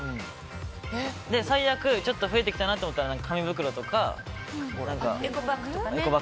最悪、増えてきたなと思ったら紙袋とか、エコバッグとかに。